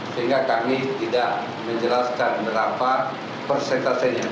sehingga kami tidak menjelaskan berapa persentasenya